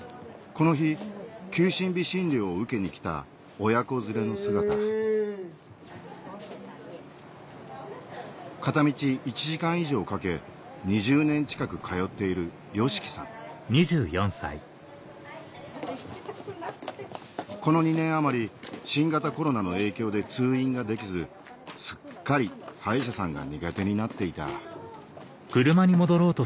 この日休診日診療を受けに来た親子連れの姿片道１時間以上かけ２０年近く通っているこの２年余り新型コロナの影響で通院ができずすっかり歯医者さんが苦手になっていた車乗れない乗れない。行かないと。